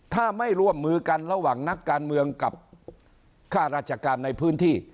ถ้าไม่ร่วมมือกันระหว่างนักการเมืองกับค่าราชการในพื้นที่